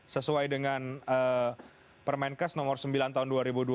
sesuai dengan permenkes nomor sembilan tahun dua ribu dua puluh